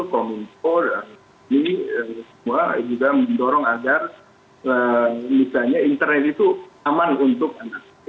kominfo ini semua juga mendorong agar misalnya internet itu aman untuk anak